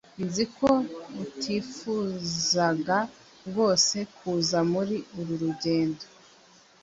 Nzi ko utifuzaga rwose kuza muri uru rugendo